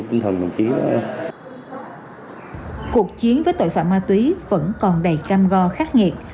cuộc chiến với tội phạm ma túy vẫn còn đầy cam go khắc nghiệt